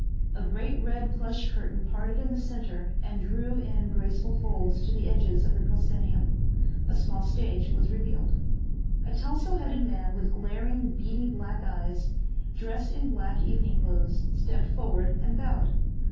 A great red plush curtain parted in the center and drew in graceful folds to the edges of the proscenium. A small stage was revealed. A tousle headed man with glaring, beady black eyes, dressed in black evening clothes stepped forward and bowed.